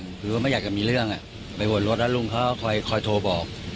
คือว่าไม่อยากจะมีเรื่องไปบนรถแล้วลุงเขาคอยโทรบอก